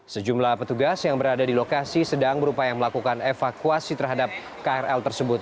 sejumlah petugas yang berada di lokasi sedang berupaya melakukan evakuasi terhadap krl tersebut